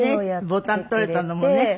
ボタン取れたのもね。